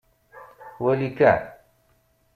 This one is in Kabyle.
Wali kan.